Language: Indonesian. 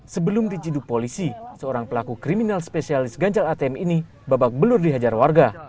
sebelum diciduk polisi seorang pelaku kriminal spesialis ganjal atm ini babak belur dihajar warga